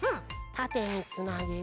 たてにつなげて。